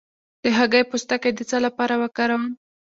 د هګۍ پوستکی د څه لپاره وکاروم؟